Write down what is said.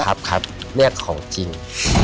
ครับครับเนี่ยของจริง